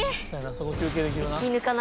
そこ休けいできるな。